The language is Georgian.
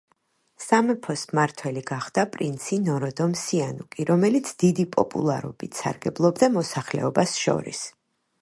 სამეფოს მმართველი გახდა პრინცი ნოროდომ სიანუკი, რომელიც დიდი პოპულარობით სარგებლობდა მოსახლეობას შორის.